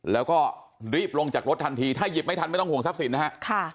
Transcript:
แล้วก็รีบลงจากรถทันทีถ้าหยิบไม่ทันไม่ต้องห่วงทรัพย์สินนะฮะ